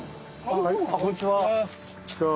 こんにちは。